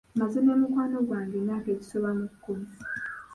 Mmaze ne mukwano gwange emyaka egisoba mu kkumi.